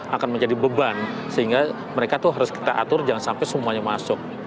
akan menjadi beban sehingga mereka itu harus kita atur jangan sampai semuanya masuk